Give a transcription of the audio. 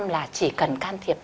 một mươi là chỉ cần can thiệp